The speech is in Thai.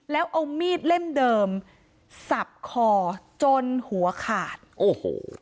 แล้วเอามีดเล่มเดิมสับคอจนหัวขาดโอ้โห